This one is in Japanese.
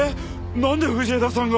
なんで藤枝さんが。